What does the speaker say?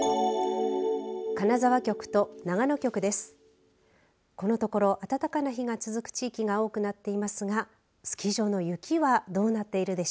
金沢局と長野局です。